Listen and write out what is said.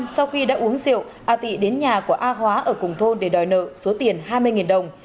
sau khi đã uống rượu a tị đến nhà của a hóa ở cùng thôn để đòi nợ số tiền hai mươi đồng